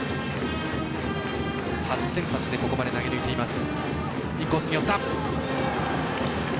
初先発でここまで投げ抜いています。